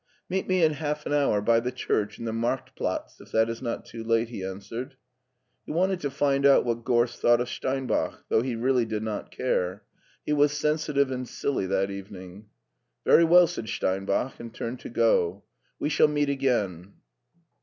" Meet me in half an hour by the church !n the Markt Platz, if that is not too late," he answered. He wanted to find out what Gorst thought of Stein bach, though he really did not care. He was sensi tive and silly that evening. Very well," said Steinbach, and turned to go. We shall meet again."